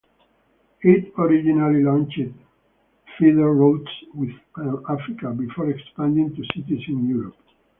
It originally launched feeder routes within Africa before expanding to cities in Europe.